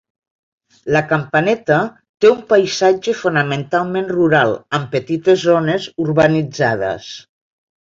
La Campaneta té un paisatge fonamentalment rural, amb petites zones urbanitzades.